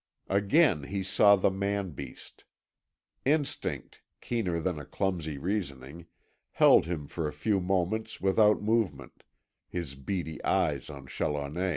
Again he saw the man beast. Instinct, keener than a clumsy reasoning, held him for a few moments without movement, his beady eyes on Challoner.